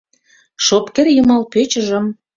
Шопкер йымал пӧчыжым